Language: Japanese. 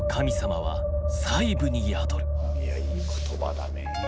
いやいい言葉だね。